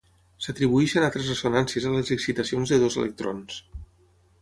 S'atribueixen altres ressonàncies a les excitacions de dos electrons.